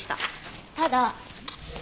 ただ。